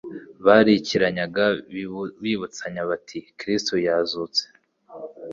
Barikiranyaga bibutsanya bati: "Kristo yazutse!"